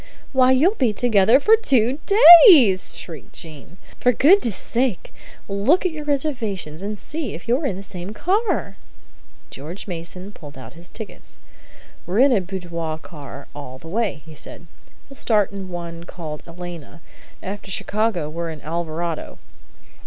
"Why, you'll be together for two days!" shrieked Jean. "For goodness' sake, look at your reservations, and see if you're in the same car!" George Mason pulled out his tickets. "We're in a boudoir car all the way," he said. "We start in one called 'Elena.' After Chicago we're in 'Alvarado.'"